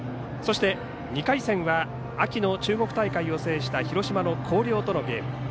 そして２回戦は秋の大会を制した広島の広陵とのゲーム。